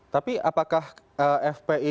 tapi apakah fpi